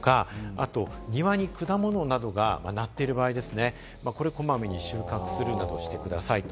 あと庭に果物などが、なっている場合ですね、こまめに収穫するなどしてくださいと。